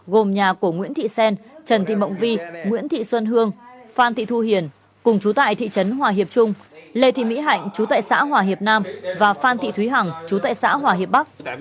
gồm nhà của nguyễn thị xen trần thị mộng vi nguyễn thị xuân hương phan thị thu hiền cùng chú tại thị trấn hòa hiệp trung lê thị mỹ hạnh chú tại xã hòa hiệp nam và phan thị thúy hằng chú tại xã hòa hiệp bắc